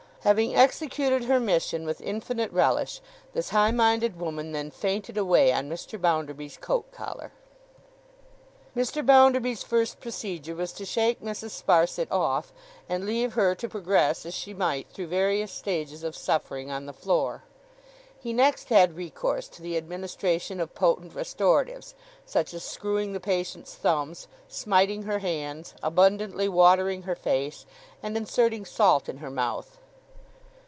Having executed her mission with infinite relish, this high minded woman then fainted away on Mr. Bounderby's coat collar. Mr. Bounderby's first procedure was to shake Mrs. Sparsit off, and leave her to progress as she might through various stages of suffering on the floor. He next had recourse to the administration of potent restoratives, such as screwing the patient's thumbs, smiting her hands, abundantly watering her face, and inserting salt in her mouth.